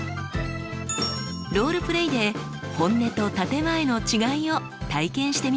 ロールプレイで本音と建て前の違いを体験してみましょう。